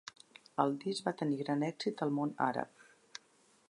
El disc va tenir gran èxit al món àrab.